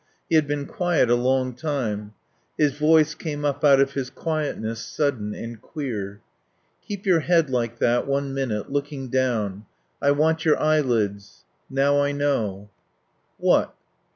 He had been quiet a long time. His voice came up out of his quietness, sudden and queer. "Keep your head like that one minute looking down. I want your eyelids.... Now I know." "What?"